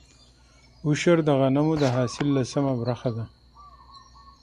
عشر د غنمو د حاصل لسمه برخه ده.